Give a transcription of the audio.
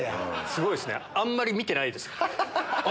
すごいですねあんまり見てないですね。